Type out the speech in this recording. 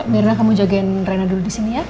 biarin lah kamu jagain reyna dulu disini ya